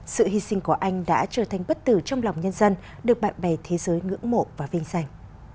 sự hy sinh của anh đã trở thành bất tử trong lòng nhân dân được bạn bè thế giới ngưỡng mộ và vinh danh